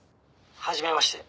「はじめまして。